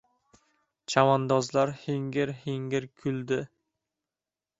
Chavandozlar hingir-hingir kuldi.